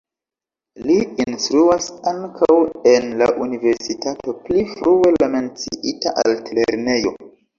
Li instruas ankaŭ en la universitato (pli frue la menciita altlernejo).